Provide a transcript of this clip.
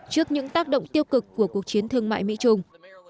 trước những tác động tiêu cực của cuộc chiến thương mại mỹ trung